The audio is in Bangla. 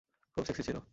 খুব সেক্সি ছিলো!